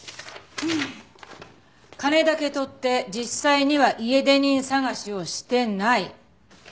「金だけ取って実際には家出人探しをしてない」